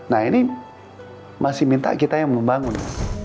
nah ini masih minta kita yang membangun